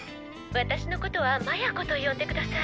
私のことは麻也子と呼んでください。